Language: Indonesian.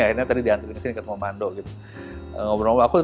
akhirnya tadi diantriin kesini ketemu mando gitu